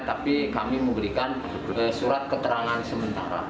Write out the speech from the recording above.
tapi kami memberikan surat keterangan sementara